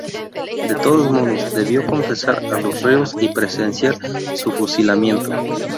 De todos modos debió confesar a los reos y presenciar su fusilamiento.